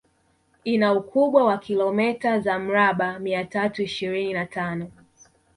Ina ukubwa wa kilometa za mraba mia tatu ishirini na tano